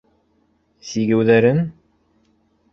Сигеүҙәрен?